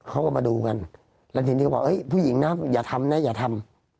เขาก็มาดูกันแล้วทีนี้ก็บอกเฮ้ยผู้หญิงนะอย่าทำนะอย่าทำ